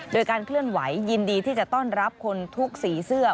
โดยการเคลื่อนไหวยินดีที่จะต้อนรับคนทุกสีเสื้อ